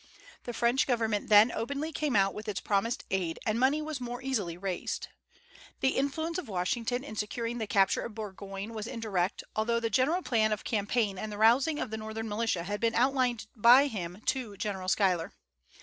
The French Government then openly came out with its promised aid, and money was more easily raised. The influence of Washington in securing the capture of Burgoyne was indirect, although the general plan of campaign and the arousing of the Northern militia had been outlined by him to General Schuyler.